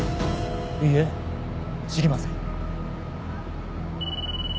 いえ知りません。